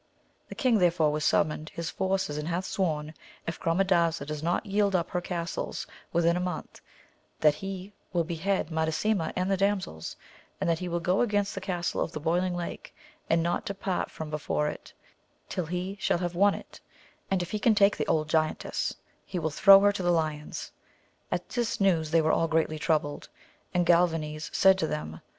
The king therefore has summoned his forces, and hath sworn, if Gromadaza does not yield up her castles within a month, that he will behead Madasima and the damsels, and that he will go against the castle of the Boiling Lake, and not depart from before it till he shall have won it, and if he can take the old giantess he will throw her to the lions. At this news they were all greatly troubled, and Galvanes said to them.